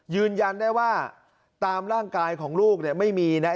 ยืนยันได้ว่าตามร่างกายของลูกเนี่ยไม่มีนะ